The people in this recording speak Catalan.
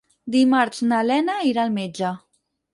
Dimarts na Lena irà al metge.